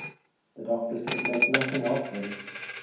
The doctors could make nothing of him.